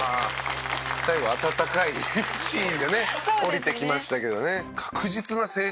最後温かいシーンでね降りてきましたけどね。